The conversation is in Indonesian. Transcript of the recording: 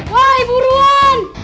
wah ibu ruan